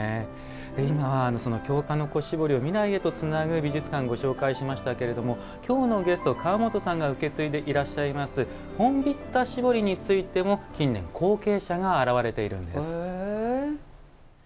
今、京鹿の子絞りを未来へとつなぐ美術館をご紹介しましたが今日のゲスト川本さんが受け継いでいらっしゃいます本疋田絞りについても近年、後継者が現れているんです。